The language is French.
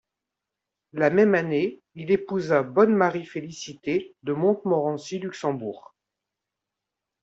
La même année, il épousa Bonne-Marie-Félicité de Montmorency-Luxembourg.